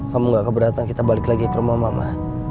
kamu gak keberatan kita balik lagi ke rumah mama